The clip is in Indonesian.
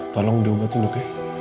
tolong diubah tidur